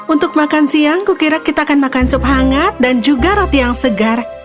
untuk makan siang kukira kita akan makan sup hangat dan juga roti yang segar